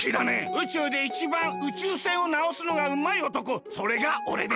宇宙でいちばん宇宙船をなおすのがうまいおとこそれがおれです！